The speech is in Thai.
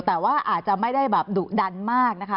แต่ว่าอาจจะไม่ได้แบบดุดันมากนะคะ